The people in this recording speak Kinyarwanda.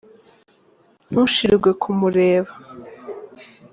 Ntushirwe kumureba.